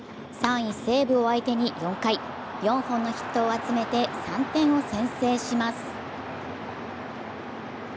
３位・西武を相手に４回、４本のヒットを集めて３点を先制します。